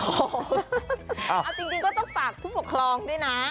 เอาจริงก็ต้องฝากผู้ปกครองด้วยนะ